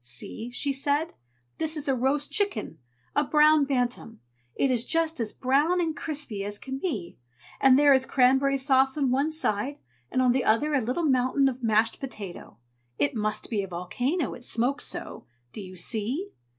"See!" she said. "This is a roast chicken, a Brown Bantam. It is just as brown and crispy as it can be, and there is cranberry sauce on one side, and on the other a little mountain of mashed potato; it must be a volcano, it smokes so. Do you see?"